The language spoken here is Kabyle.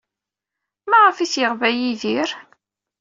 Maɣef ay t-yebɣa Yidir?